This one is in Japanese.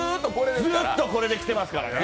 ずっとこれで来てますからね。